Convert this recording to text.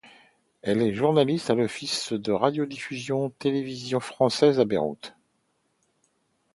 Elle est journaliste à l'office de radio-diffusion-télévision française à Beyrouth.